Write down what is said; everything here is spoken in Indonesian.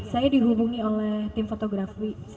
saya dihubungi oleh tim fotografi